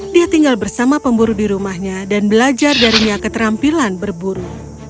dia tinggal bersama pemburu di rumahnya dan belajar darinya keterampilan berburu